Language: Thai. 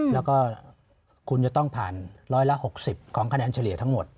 แล้วก็คุณจะต้องผ่านร้อยละ๖๐ของคะแนนเฉลี่ยทั้งหมด